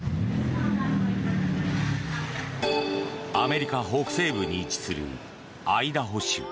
アメリカ北西部に位置するアイダホ州。